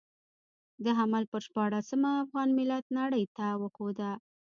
د حمل پر شپاړلسمه افغان ملت نړۍ ته وښوده.